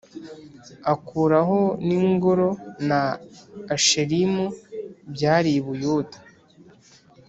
akuraho n ingoro na Asherimu byari i Buyuda